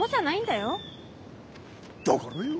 だからよ。